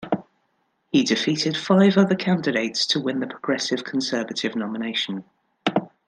He defeated five other candidates to win the Progressive Conservative nomination.